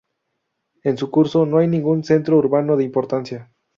En su curso, no hay ningún centro urbano de importancia.